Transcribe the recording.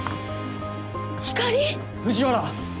ひかり⁉藤原！